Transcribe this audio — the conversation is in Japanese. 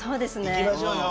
いきましょうよ。